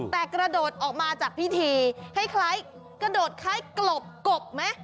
แต่กระโดดออกมาจากพิธีคล้ายกระโดดคล้ายกลบกบไหม